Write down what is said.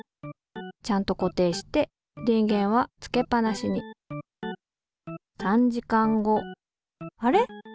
ちゃんと固定して電源はつけっぱなしにあれ？